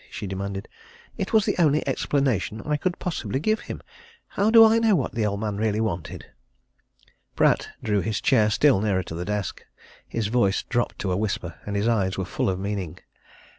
she demanded. "It was the only explanation I could possibly give him. How do I know what the old man really wanted?" Pratt drew his chair still nearer to the desk. His voice dropped to a whisper and his eyes were full of meaning.